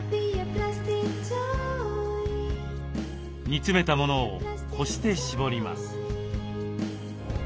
煮詰めたものをこして絞ります。